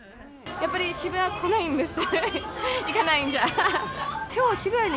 やっぱり、渋谷来ないです。